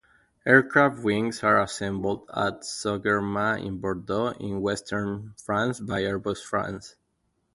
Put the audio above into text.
Aircraft wings are assembled at Sogerma in Bordeaux in western France by Airbus France.